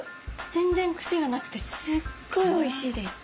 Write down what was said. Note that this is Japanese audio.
全然くせがなくてすっごいおいしいです。